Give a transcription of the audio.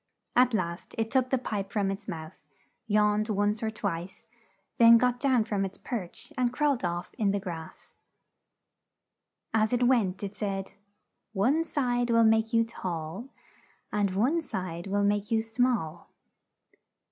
At last it took the pipe from its mouth, yawned once or twice, then got down from its perch and crawled off in the grass. As it went it said, "One side will make you tall, and one side will make you small.